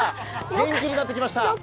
元気になってきました！